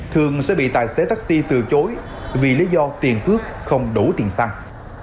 thường sẽ bị tài xế taxi từ chối vì lý do tiền cước không đủ tiền xăng